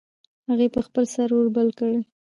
هغې په خپل سر اور بل کړ